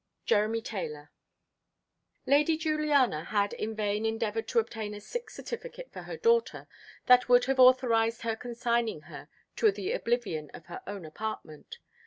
JEREMY TAYLOR. LADY Juliana had in vain endeavoured to obtain a sick certificate for her daughter, that would have authorised her consigning her to the oblivion of her own apartment.